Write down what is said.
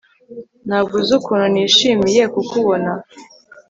Ntabwo uzi ukuntu nishimiye kukubona